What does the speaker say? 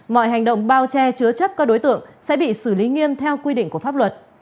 mọi hành động bao che chứa chấp các đối tượng sẽ bị xử lý nghiêm theo quy định của pháp luật